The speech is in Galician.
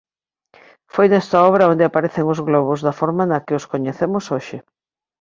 Foi nesta obra onde apareceron os globos da forma na que os coñecemos hoxe.